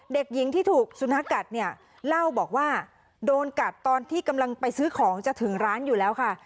เด็กหญิงที่ถูกสุนัขกัดเนี่ยเล่าบอกว่าโดนกัดตอนที่กำลังไปซื้อของจะถึงร้านอยู่แล้วค่ะ